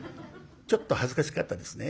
ちょっと恥ずかしかったですね。